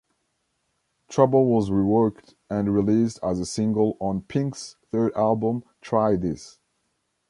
Trouble was reworked and released as a single on Pink's third album "Try This".